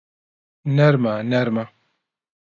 نەرمە نەرمە